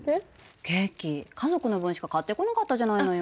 ケーキ家族の分しか買ってこなかったじゃないのよ